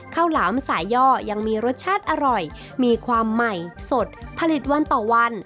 หลามสายย่อยังมีรสชาติอร่อยมีความใหม่สดผลิตวันต่อวัน